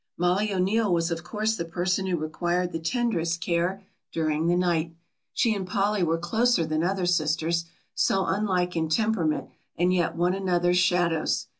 Mollie O'Neill was of course the person who required the tenderest care during the night. She and Polly were closer than other sisters, so unlike in temperament and yet one another's shadows.